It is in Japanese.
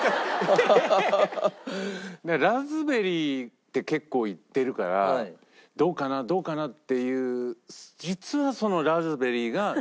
「ラズベリー」って結構言ってるから「どうかな？どうかな？」っていう。